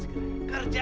saya mendekati dia